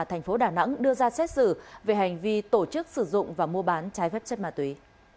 thành phố đà nẵng đưa ra xét xử về hành vi tổ chức sử dụng và mua bán trái phép chất ma túy